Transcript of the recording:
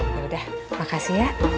yaudah makasih ya